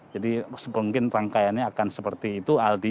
mungkin rangkaiannya akan seperti itu aldi